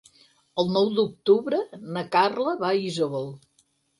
El nou d'octubre na Carla va a Isòvol.